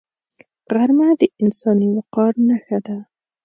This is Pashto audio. غرمه د انساني وقار نښه ده